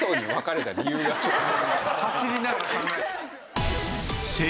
走りながら考えた。